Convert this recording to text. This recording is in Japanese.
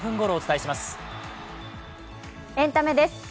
エンタメです。